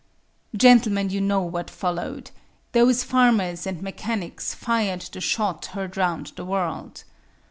Gentlemen, you know what followed; those farmers and mechanics "fired the shot heard round the world."